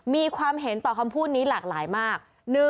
มีความเห็นต่อคำพูดนี้หลากหลายมาก